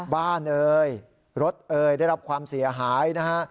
เอ่ยรถเอ่ยได้รับความเสียหายนะฮะ